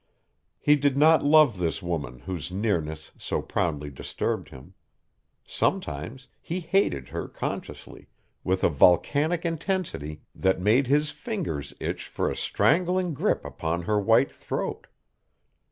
He did not love this woman whose nearness so profoundly disturbed him. Sometimes he hated her consciously, with a volcanic intensity that made his fingers itch for a strangling grip upon her white throat.